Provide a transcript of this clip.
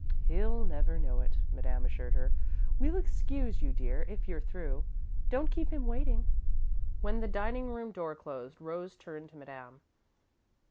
"He'll never know it," Madame assured her. "We'll excuse you dear, if you're through. Don't keep him waiting." When the dining room door closed, Rose turned to Madame.